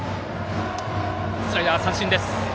スライダー、三振です。